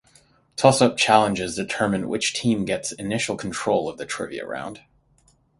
Toss-up challenges determine which team gets initial control of the trivia round.